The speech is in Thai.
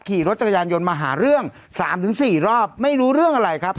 ขี่รถจักรยานยนต์มาหาเรื่อง๓๔รอบไม่รู้เรื่องอะไรครับ